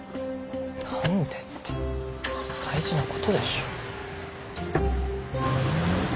「何で」って大事なことでしょ。